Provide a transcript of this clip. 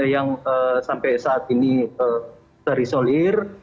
yang sampai saat ini terisolir